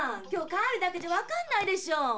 「今日帰る」だけじゃわかんないでしょ。